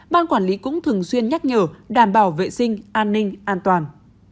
ban quản lý cũng thường xuyên nhắc nhở đảm bảo vệ sinh an ninh an toàn